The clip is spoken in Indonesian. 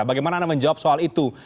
bagaimana anda menjawab soal itu